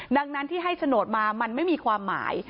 ดังนั้นที่ให้โฉนดมามันไม่มีความหมาย